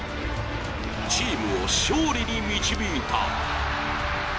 チームを勝利に導いた。